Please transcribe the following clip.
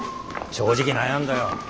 正直悩んだよ。